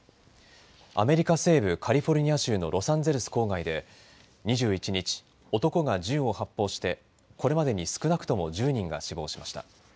アメリカ西部カリフォルニア州のロサンゼルス郊外で２１日男が銃を発砲してこれまでに少なくとも１０人が死亡しました。